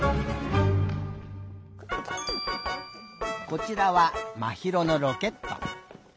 こちらはまひろのロケット。